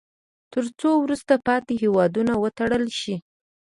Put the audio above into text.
تر څو وروسته پاتې هیوادونه وتړل شي.